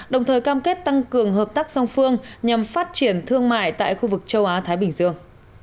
đồng thời cam kết tăng cường hợp tác song phương nhằm phát triển thương mại tại khu vực châu á thái bình dương